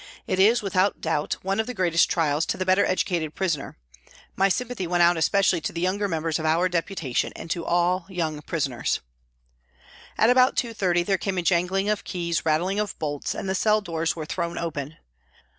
It is, without doubt, one of the greatest trials to the better educated prisoner ; my sympathy went out especially to the younger members of our Deputation and to all young prisoners. At about 2.30 there came a jangling of keys, rattling of bolts, and the cell doors were thrown open.